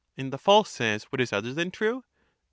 And the false says what is other than true